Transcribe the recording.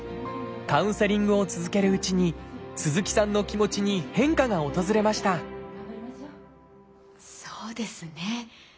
カウンセリングを続けるうちに鈴木さんの気持ちに変化が訪れましたそうですね。